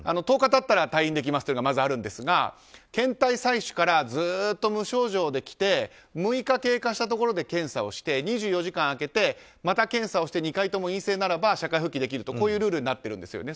１０日経ったら退院できますというのがまずあるんですが検体採取からずっと無症状できて６日経過したところで検査して２４時間空けて、また検査をして２回とも陰性ならば社会復帰できるというルールになっているんです。